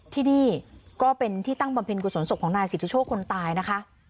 ที่นี่ก็เป็นที่ตั้งบำเพ็ญกุศลศพของนายสิทธิโชคคนตายนะคะ